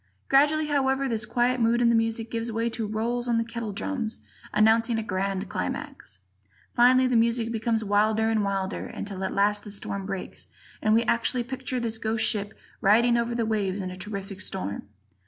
Gradually, however, this quiet mood in the music gives way to rolls on the kettle drums announcing a grand climax; finally the music becomes wilder and wilder until at last the storm breaks and we actually picture this ghost ship riding over the waves in a terrific storm.